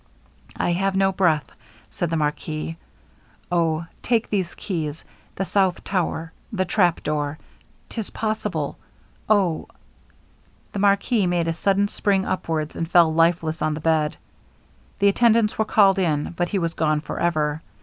'I have no breath,' said the marquis. 'Oh! Take these keys the south tower the trapdoor. 'Tis possible Oh! ' The marquis made a sudden spring upwards, and fell lifeless on the bed; the attendants were called in, but he was gone for ever.